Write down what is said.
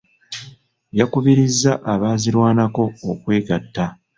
Yakubirizza abaazirwanako okwegatta.